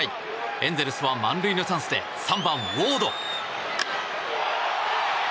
エンゼルスは満塁のチャンスで３番、ウォード。